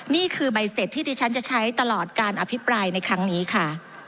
นี่คือใบเสร็จที่ที่ฉันจะใช้ตลอดการอภิปรายในครั้งนี้ค่ะ